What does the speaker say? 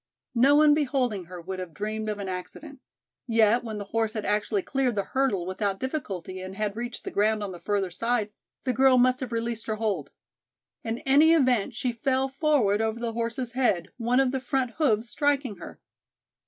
No one beholding her would have dreamed of an accident. Yet when the horse had actually cleared the hurdle without difficulty and had reached the ground on the further side, the girl must have released her hold. In any event she fell forward over the horse's head, one of the front hoofs striking her.